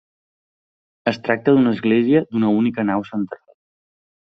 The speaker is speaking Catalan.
Es tracta d'una església d'una única nau central.